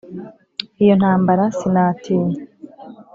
iyo ntambara sinatinya